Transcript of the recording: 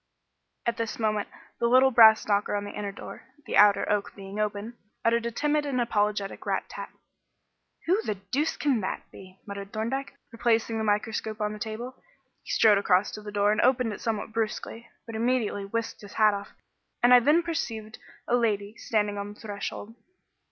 At this moment the little brass knocker on the inner door the outer oak being open uttered a timid and apologetic rat tat. "Who the deuce can that be?" muttered Thorndyke, replacing the microscope on the table. He strode across to the door and opened it somewhat brusquely, but immediately whisked his hat off, and I then perceived a lady standing on the threshold.